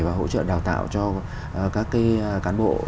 và hỗ trợ đào tạo cho các cán bộ